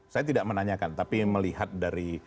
saya tidak menanyakan tapi melihat dari